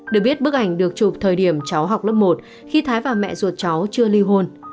được biết bức ảnh được chụp thời điểm cháu học lớp một khi thái và mẹ ruột cháu chưa ly hôn